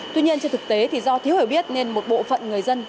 tuy nhiên trên thực tế thì do thiếu hiểu biết nên một bộ phận người dân